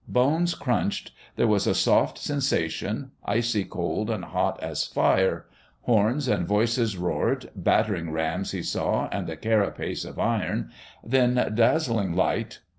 Bones crunched.... There was a soft sensation, icy cold and hot as fire. Horns and voices roared. Battering rams he saw, and a carapace of iron.... Then dazzling light....